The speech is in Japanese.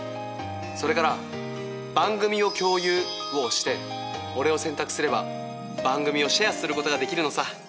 それから「番組を共有」を押して俺を選択すれば番組をシェアすることができるのさ。